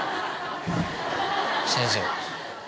先生。